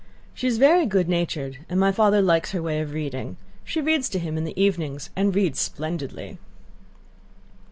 She is very good natured, and my father likes her way of reading. She reads to him in the evenings and reads splendidly."